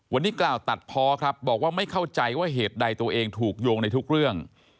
วันนี้กล่าวตัดเพาะครับบอกว่าไม่เข้าใจว่าเหตุใดตัวเองถูกโยงในทุกเรื่อง